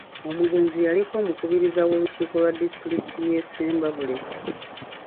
Omugenzi yaliko Omukubiriza w'olukiiko lwa disitulikiti y'e Ssembabule